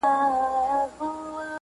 ډېر الله پر زړه باندي دي شـپـه نـه ده.